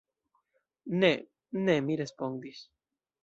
Ne, ne, mi respondis.